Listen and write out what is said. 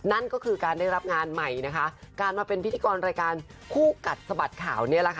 นั่นก็คือการได้รับงานใหม่นะคะการมาเป็นพิธีกรรายการคู่กัดสะบัดข่าวเนี่ยแหละค่ะ